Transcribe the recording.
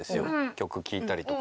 曲聴いたりとか。